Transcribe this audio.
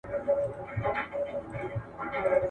زه هره ورځ سفر کوم!